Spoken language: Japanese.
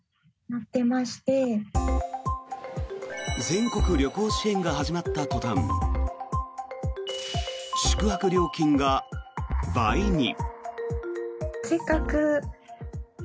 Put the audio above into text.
全国旅行支援が始まった途端宿泊料金が倍に。